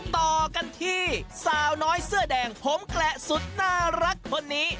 ต่อกันที่สาวน้อยเสื้อแดงผมแกละสุดน่ารักคนนี้